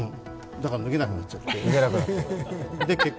だから脱げなくなっちゃって。